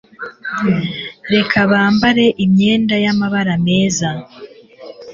Reka bambare imyenda y'amabara meza